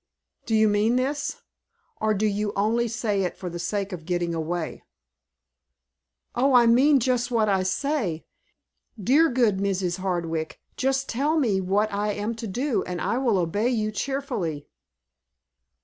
"Do you mean this, or do you only say it for the sake of getting away?" "Oh, I mean just what I say. Dear, good Mrs. Hardwick, just tell me what I am to do, and I will obey you cheerfully."